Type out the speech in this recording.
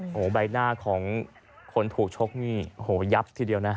โอ้โหใบหน้าของคนถูกชกนี่โอ้โหยับทีเดียวนะ